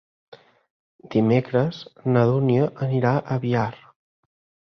Dimecres na Dúnia anirà a Biar.